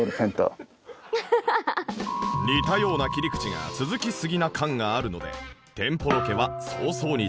似たような切り口が続きすぎな感があるので